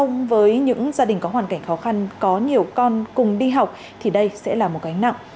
nhưng đáng nói so với những gia đình có hoàn cảnh khó khăn có nhiều con cùng đi học thì đây sẽ là một gánh nặng